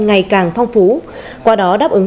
ngày càng phong phú qua đó đáp ứng